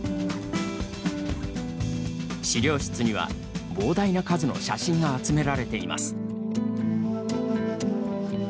資料室には、膨大な数の写真が集められています。